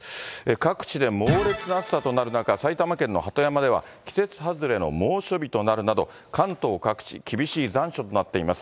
各地で猛烈な暑さとなる中、埼玉県の鳩山では、季節外れの猛暑日となるなど、関東各地厳しい残暑となっています。